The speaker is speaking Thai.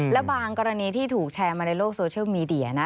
และบางกรณีที่ถูกแชร์มาในโลกโซเชียลมีเดียนะ